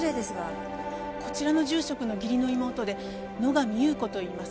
こちらの住職の義理の妹で野上裕子といいます。